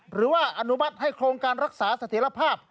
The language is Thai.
หรือว่าอนุมัติให้โครงการรักษาเสถียรภาพ